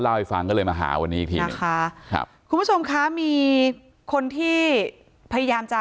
เล่าให้ฟังก็เลยมาหาวันนี้คุณผู้ชมค่ะมีคนที่พยายามจะ